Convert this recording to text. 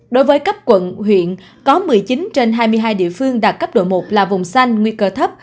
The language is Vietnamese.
đối với cấp quận huyện có một mươi chín trên hai mươi hai địa phương đạt cấp độ một là vùng xanh